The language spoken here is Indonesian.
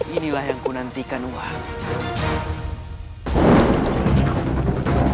inilah yang ku nantikan uang